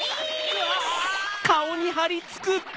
うわ！